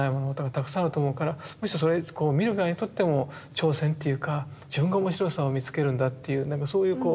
たくさんあると思うからむしろそれ見る側にとっても挑戦っていうか自分が面白さを見つけるんだっていうなんかそういうこう